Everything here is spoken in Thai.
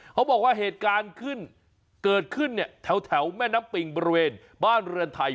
เขาบอกว่าเหตุการณ์ขึ้นเกิดขึ้นเนี่ยแถวแม่น้ำปิงบริเวณบ้านเรือนไทย